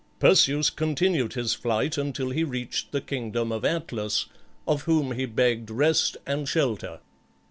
Perseus continued his flight until he reached the kingdom of Atlas, of whom he begged rest and shelter.